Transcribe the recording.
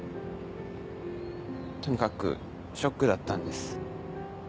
とにかくショックだったんです。